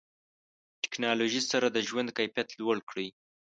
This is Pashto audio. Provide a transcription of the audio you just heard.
ټکنالوژي سره د ژوند کیفیت لوړ کړئ.